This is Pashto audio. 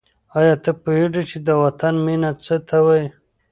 آیا ته پوهېږې چې د وطن مینه څه ته وايي؟